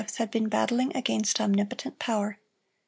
had been battling against omnipotent power.